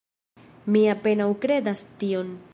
Mi apenaŭ kredas tion.